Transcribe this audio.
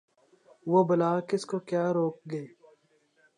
وہ بلا کس کو کیا روک گے